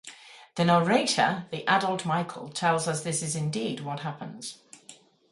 The narrator, the adult Michael, tells us this is indeed what happens.